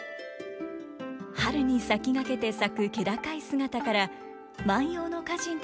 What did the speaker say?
春に先駆けて咲く気高い姿から万葉の歌人たちに愛された梅の花。